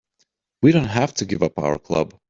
We don't have to give up our club.